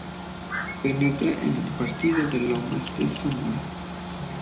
Penetra en el Partido de Lomas de Zamora.